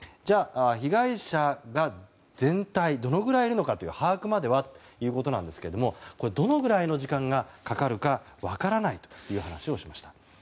被害者が全体どのぐらいいるのかという把握まではというところですがどのくらいの時間がかかるか分からないという話をしました。